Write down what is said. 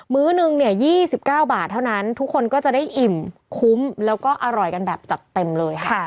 ื้อหนึ่งเนี่ย๒๙บาทเท่านั้นทุกคนก็จะได้อิ่มคุ้มแล้วก็อร่อยกันแบบจัดเต็มเลยค่ะ